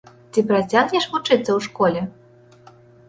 Ці працягнеш вучыцца ў школе?